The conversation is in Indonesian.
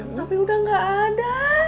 tapi udah gak ada